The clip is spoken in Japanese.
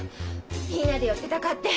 みんなで寄ってたかって。